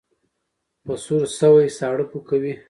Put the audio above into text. ـ په سور سوى، ساړه پو کوي.